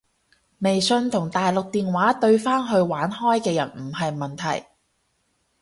微信同大陸電話對返去玩開嘅人唔係問題